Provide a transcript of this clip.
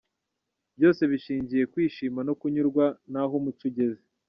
Byose bishingiye kwishima no kunyurwa naho umuco ugeze.